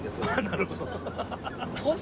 なるほど